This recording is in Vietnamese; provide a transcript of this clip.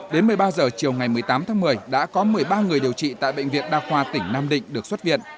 đến một mươi ba h chiều ngày một mươi tám tháng một mươi đã có một mươi ba người điều trị tại bệnh viện đa khoa tỉnh nam định được xuất viện